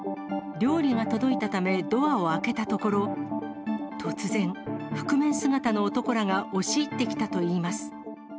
料理が届いたため、ドアを開けたところ、突然、覆面姿の男らが押し入ってきたといいます。